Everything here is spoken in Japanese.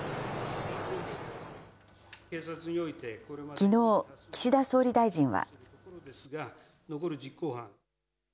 きのう、岸田総理大臣は。